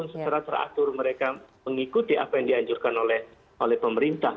secara teratur mereka mengikuti apa yang dianjurkan oleh pemerintah